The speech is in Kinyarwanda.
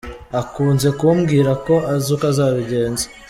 Akunze kumbwira ko azi uko azabigenza.